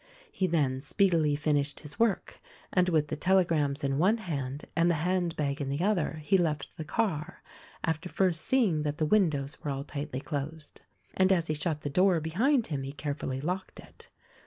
He then speedily finished his work ; and with the telegrams in one hand and the hand bag in the other he left the car, after first seeing that the windows were all tightly closed ; and as he shut the door be hind him he carefully locked it.